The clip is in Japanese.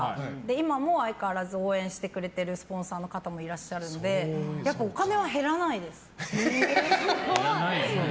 今も相変わらず応援してくれてるスポンサーの方もいらっしゃるのでお金は減らないですね。